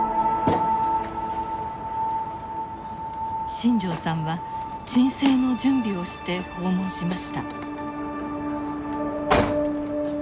新城さんは鎮静の準備をして訪問しました。